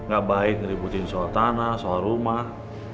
gak baik nyeributin soal tanah soal rumah